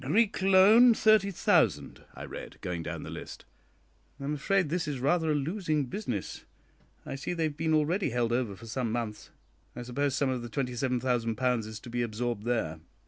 "'Greek loan, thirty thousand,'" I read, going down the list; "I am afraid this is rather a losing business. I see they have been already held over for some months. I suppose some of the £27,000 is to be absorbed there."